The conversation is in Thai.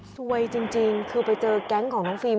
ซวยจริงคือไปเจอแก๊งของน้องฟิล์